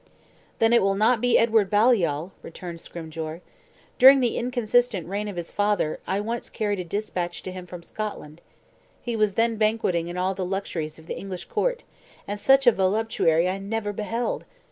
"Then it will not be Edward Baliol!" rejoined Scrymgeour. "During the inconsistent reign of his father, I once carried a despatch to him from Scotland. He was then banqueting in all the luxuries of the English court; and such a voluptuary I never beheld!